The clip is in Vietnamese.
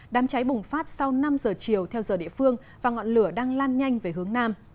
đám cháy bùng phát sau năm giờ chiều theo giờ địa phương và ngọn lửa đang lan nhanh về hướng nam